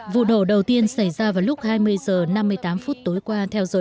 vụ nổ đầu tiên xảy ra vào lúc hai mươi h năm mươi tám phút tối qua